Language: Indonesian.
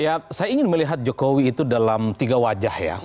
ya saya ingin melihat jokowi itu dalam tiga wajah ya